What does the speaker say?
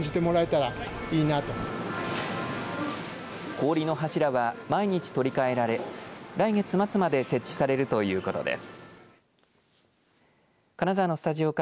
氷の柱は毎日取り替えられ来月末まで設置されるということです。